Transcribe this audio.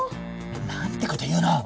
何てこと言うの！